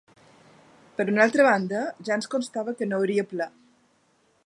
Per una altra banda, ja ens constava que no hi hauria ple.